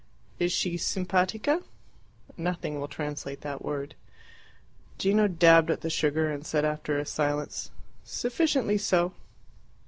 "Is she SIMPATICA?" (Nothing will translate that word.) Gino dabbed at the sugar and said after a silence, "Sufficiently so."